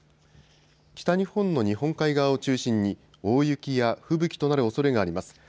北日本の日本海側を中心に大雪や吹雪となるおそれがあります。